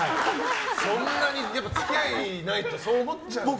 そんなに付き合いがないとそう思っちゃうんだろうな。